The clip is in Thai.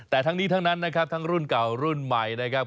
แต่ทั้งนี้ทั้งนั้นนะครับทั้งรุ่นเก่ารุ่นใหม่นะครับ